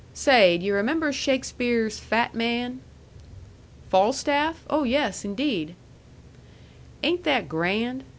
Say, d' yu' remember Shakespeare's fat man?" "Falstaff? Oh, yes, indeed." "Ain't that grand?